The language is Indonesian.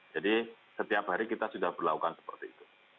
jadi setiap hari kita sudah berlakukan seperti itu